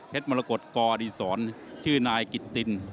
เพชรมรกฎโซ่อดิสรชื่อนายกิตติน